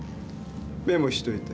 メモしといて。